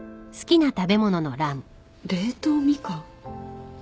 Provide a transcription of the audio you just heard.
冷凍みかん。